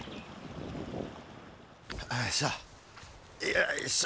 よいしょ。